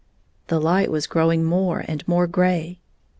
The 24 light was growing more and more gray.